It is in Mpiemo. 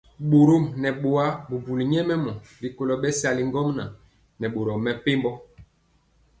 Borɔm nɛ bɔa bubuli nyɛmemɔ rikolo bɛsali ŋgomnaŋ nɛ boro mepempɔ.